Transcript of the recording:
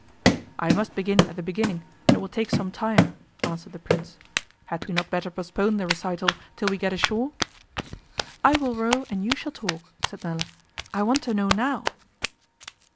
'I must begin at the beginning and it will take some time,' answered the Prince. 'Had we not better postpone the recital till we get ashore?' 'I will row and you shall talk,' said Nella. 'I want to know now.